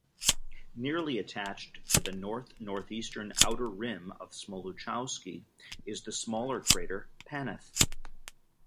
Nearly attached to the north-northeastern outer rim of Smoluchowski is the smaller crater Paneth.